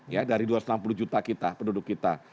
ya dari dua ratus enam puluh juta kita penduduk kita